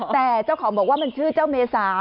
แต่เจ้าของบอกว่ามันชื่อเจ้าเมษา